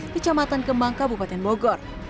di kamar kembang kabupaten bogor